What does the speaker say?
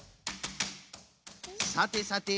さてさて。